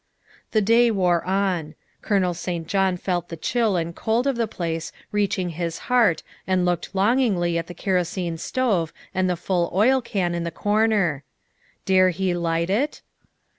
The day wore on. Colonel St. John felt the chill and cold of the place reaching his heart and looked long ingly at the kerosene stove and the full oil can in the corner. Dared he light it?